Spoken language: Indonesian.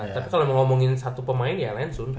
tapi kalau ngomongin satu pemain ya lansun